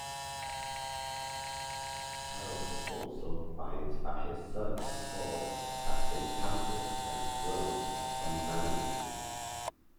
Harold also finds that his son, Paul, has been pampered and grown unmanly.